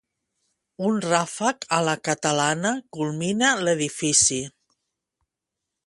Un ràfec a la catalana culmina l'edifici.